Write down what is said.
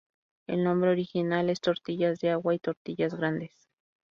El nombre original es tortillas de agua o tortillas grandes.